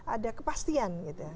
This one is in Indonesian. ada kepastian gitu ya